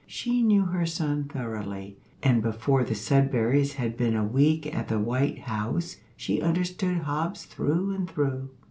She knew her son thoroughly, and before the Sudberrys had been a week at the White House she understood Hobbs through and through.